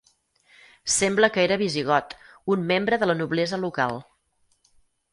Sembla que era visigot, un membre de la noblesa local.